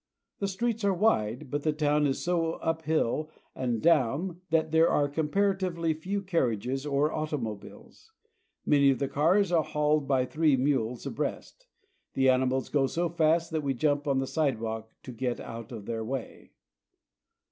The streets are wide, but the town is so up hill and down that there are comparatively few carriages or auto mobiles. Many of the carts are hauled by three mules abreast. The animals go so fast that we jump on the sidewalk to get out of their way.